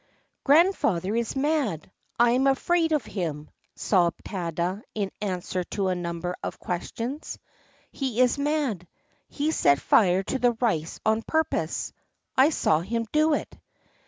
" Grandfather is mad, — I am afraid of him!" sobbed Tada, in answer to a number of questions. "He is mad. He set fire to the rice on purpose: I saw him do it!"